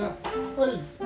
はい。